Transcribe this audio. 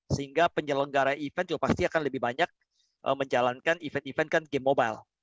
sehingga penyelenggara event pasti juga akan lebih banyak menjalankan event event game mobile